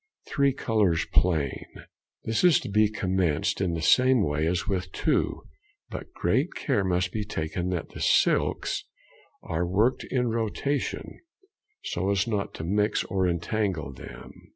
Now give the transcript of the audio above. Three Colours Plain.—This is to be commenced in the same way as with two, but great care must be taken that the silks are worked in rotation so as not to mix or entangle them.